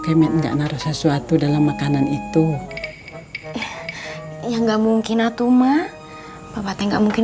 kemet enggak naruh sesuatu dalam makanan itu yang nggak mungkin atuma bapak nggak mungkin